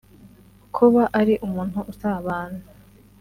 Kuba ari umuntu usabana